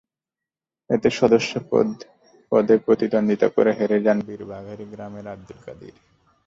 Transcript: এতে সদস্য পদে প্রতিদ্বন্দ্বিতা করে হেরে যান বীর বাঘারি গ্রামের আবদুল কাদির।